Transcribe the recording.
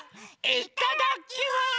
いただきます！